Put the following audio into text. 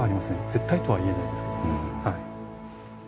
絶対とは言えないですけども。